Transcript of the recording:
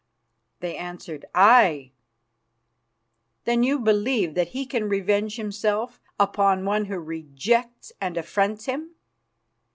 They answered "Aye." "Then you believe that he can revenge himself upon one who rejects and affronts him?"